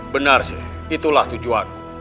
benar sheikh itulah tujuanku